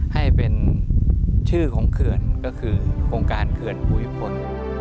ให้เป็นชื่อของเขื่อนก็คือโครงการเขื่อนภูมิพล